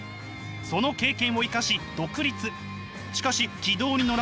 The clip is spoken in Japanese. その経験を生かし独立。